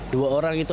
dua orang itu